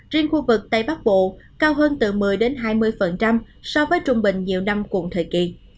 riêng khu vực tây bắc bộ cao hơn từ một mươi hai mươi so với trung bình nhiều năm cùng thời kỳ